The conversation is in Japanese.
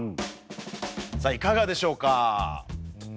さあいかがでしょうか？